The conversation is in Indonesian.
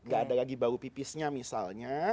gak ada lagi bau pipisnya misalnya